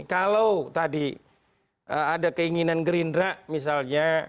kalau tadi ada keinginan gerindra misalnya